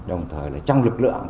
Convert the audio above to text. đồng thời là trong lực lượng